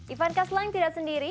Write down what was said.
ivanka slang tidak sendirian